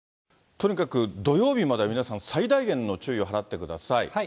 とにかく土曜日までは皆さん、最大限の注意を払ってください。